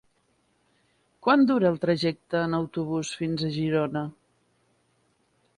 Quant dura el trajecte en autobús fins a Girona?